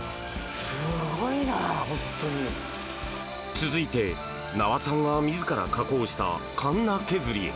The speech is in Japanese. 続いて、名和さんが自ら加工したカンナ削りへ。